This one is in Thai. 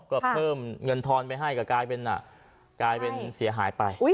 ก็เพิ่มเงินทอนไปให้ก็กลายเป็นกลายเป็นเสียหายไป